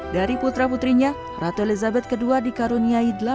dari putra putrinya ratu elizabeth ii dikaruniai